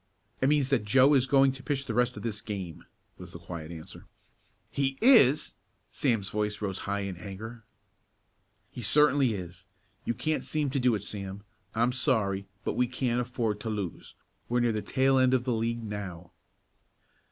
"It means that Joe is going to pitch the rest of this game," was the quiet answer. "He is?" Sam's voice rose high in anger. "He certainly is. You can't seem to do it, Sam. I'm sorry, but we can't afford to lose. We're near the tail end of the league now."